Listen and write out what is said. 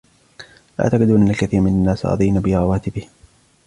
لا أعتقد أن الكثير من الناس راضين برواتبهم.